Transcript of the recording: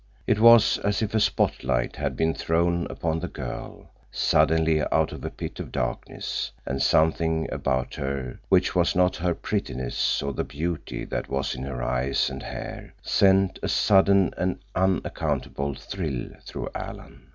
It was as if a spotlight had been thrown upon the girl suddenly out of a pit of darkness, and something about her, which was not her prettiness or the beauty that was in her eyes and hair, sent a sudden and unaccountable thrill through Alan.